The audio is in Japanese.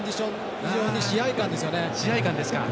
以上に試合勘ですよね。